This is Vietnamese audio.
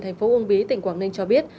tp uông bí tỉnh quảng ninh cho biết